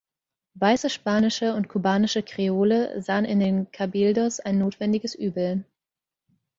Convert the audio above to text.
Weiße spanische und kubanische Kreole sahen in den Cabildos ein notwendiges Übel.